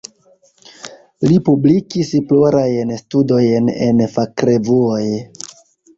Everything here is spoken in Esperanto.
Li publikis plurajn studojn en fakrevuoj.